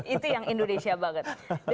itu yang indonesia banget